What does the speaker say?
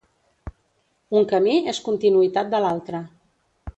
Un camí és continuïtat de l'altre.